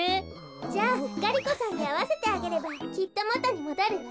じゃあガリ子さんにあわせてあげればきっともとにもどるわ。